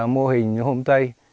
mô hình hôm tây